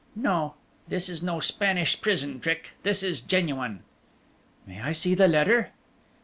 No, this is no Spanish prison trick. This is genuine." "May I see the letter?"